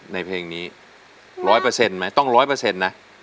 ในเพลงนี้ร้อยเปอร์เซ็นต์ไหมต้องร้อยเปอร์เซ็นต์นะ